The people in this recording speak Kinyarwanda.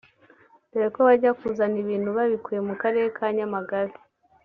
dore ko bajya kuzana ibintu babikuye mu Karere ka Nyamagabe